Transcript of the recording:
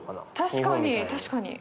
確かに確かに。